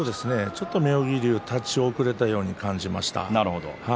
ちょっと立ち遅れたように感じました。